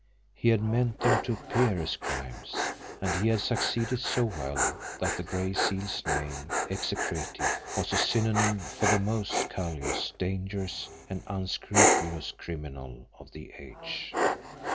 He had meant them to appear as crimes and he had succeeded so well that the Gray Seal's name, execrated, was a synonym for the most callous, dangerous, and unscrupulous criminal of the age!